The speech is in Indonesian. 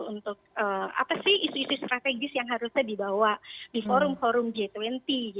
untuk apa sih isu isu strategis yang harusnya dibawa di forum forum g dua puluh